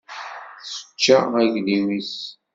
Yečča aglim-is.